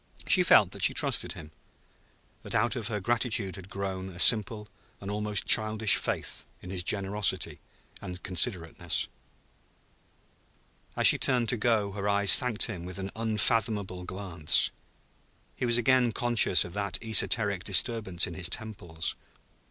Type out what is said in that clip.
He felt that she trusted him, that out of her gratitude had grown a simple and almost childish faith in his generosity and considerateness. As she turned to go her eyes thanked him with an unfathomable glance. He was again conscious of that esoteric disturbance in his temples.